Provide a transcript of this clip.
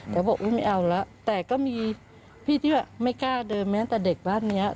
แต่บอกอุ๊ยไม่เอาแล้วแต่ก็มีพี่ที่ว่าไม่กล้าเดินแม้แต่เด็กบ้านนี้